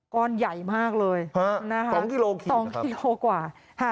ก้อนใหญ่มากเลย๒กิโลกว่า